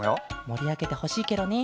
もりあげてほしいケロね。